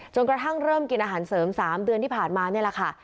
กระทั่งเริ่มกินอาหารเสริม๓เดือนที่ผ่านมานี่แหละค่ะ